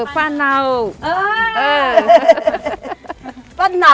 ป้าเนาได้เรียกสิคะป้าเนา